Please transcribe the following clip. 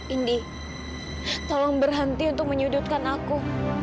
indi tolong berhenti untuk menyudutkan aku